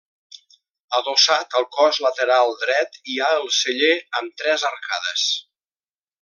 Adossat al cos lateral dret hi ha el celler amb tres arcades.